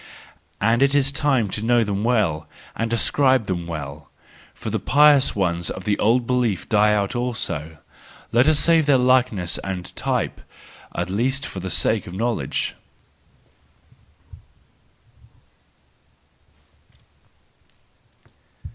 And it is time to know them well and describe them well, for the pious ones of the old belief die out also; let us save their likeness and type, at least for the sake of knowledge.